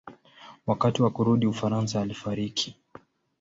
Wakati wa kurudi Ufaransa alifariki.